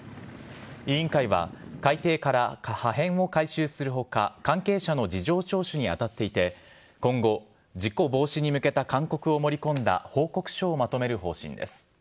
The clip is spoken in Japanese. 委員会は、海底から破片を回収するほか、関係者の事情聴取に当たっていて、今後、事故防止に向けた勧告を盛り込んだ報告書をまとめる方針です。